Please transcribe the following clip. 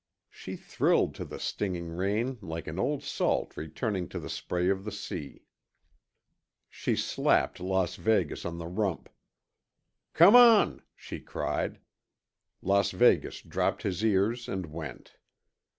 She thrilled to the stinging rain like an old salt returning to the spray of the sea. She slapped Las Vegas on the rump. "Come on!" she cried. Las Vegas dropped his ears and went.